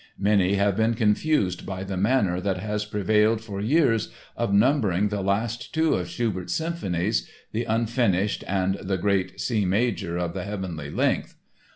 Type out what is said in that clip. Many have been confused by the manner that has prevailed for years of numbering the last two of Schubert's symphonies—the Unfinished and the great C major of the "heavenly length."